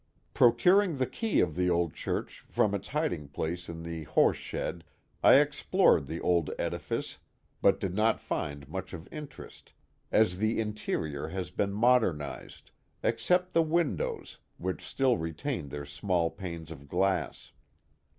Procuring the key of the old church from its hiding place in the horseshed, I explored the old edifice, but did not find much of interest, as the interior has been modernized, except the windows, which still retain their small panes of glass.